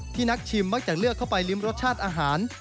นักชิมมักจะเลือกเข้าไปริมรสชาติอาหาร